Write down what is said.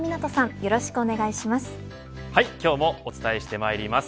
はい、今日もお伝えしてまいります。